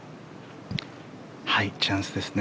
チャンスですね。